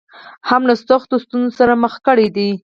هم له سختو ستونزو سره مخ کړې دي.